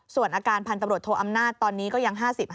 ส่วนอาการพันธุ์ตำรวจโทอำนาจตอนนี้ก็ยัง๕๕